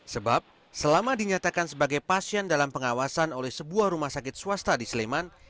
sebab selama dinyatakan sebagai pasien dalam pengawasan oleh sebuah rumah sakit swasta di sleman